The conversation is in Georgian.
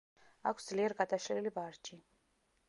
აქვს ძლიერ გადაშლილი ვარჯი.